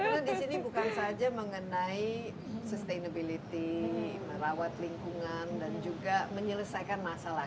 karena di sini bukan saja mengenai sustainability merawat lingkungan dan juga menyelesaikan masalah